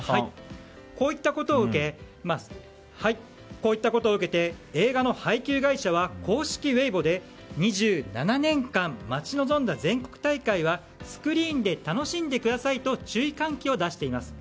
こういったことを受けて映画の配給会社は公式ウェイボーで２７年間待ち望んだ全国大会はスクリーンで楽しんでくださいと注意喚起を出しています。